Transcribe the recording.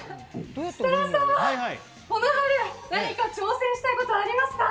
設楽さん、この春何か挑戦したいことありますか？